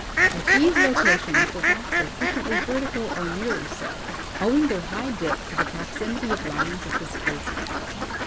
At these localities the rocks are frequently vertical or nearly so, owing their high dip to the proximity of lines of displacement.